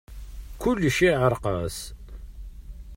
Kulec iɛreq-as.